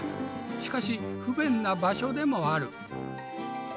しかし不便な場所でもある。